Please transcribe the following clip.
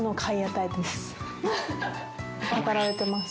たかられてます。